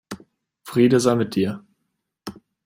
Friede sei mit dir.